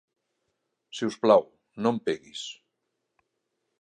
Si us plau, no em peguis.